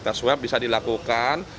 tes swep bisa dilakukan